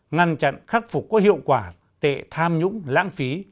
ngăn chặn khắc phục có hiệu quả tệ tham nhũng lãng phí